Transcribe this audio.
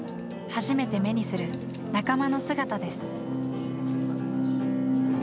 初めて目にする仲間の姿です。